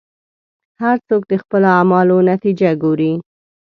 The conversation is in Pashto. هر څوک د خپلو اعمالو نتیجه ګوري.